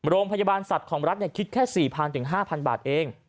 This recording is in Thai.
โรงพยาบาลสัตว์ของรัฐคิดแค่๔๐๐๕๐๐บาทเอง